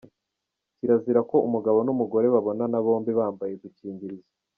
Kirazira ko umugabo n’umugore babonana bombi bambaye udukingirizo.